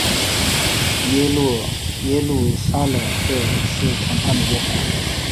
耶路撒冷会是谈判的一环。